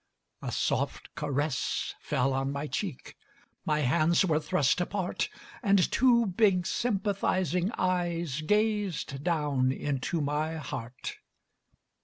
A soft caress fell on my cheek, My hands were thrust apart. And two big sympathizing eyes Gazed down into my heart.